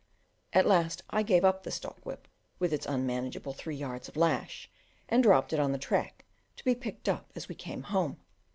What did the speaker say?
At last I gave up the stock whip, with its unmanageable three yards of lash, and dropped it on the track, to be picked up as we came home.